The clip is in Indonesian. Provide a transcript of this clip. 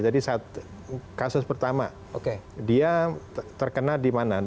jadi saat kasus pertama dia terkena di mana